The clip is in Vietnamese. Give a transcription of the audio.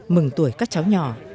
mừng tuổi các cháu nhỏ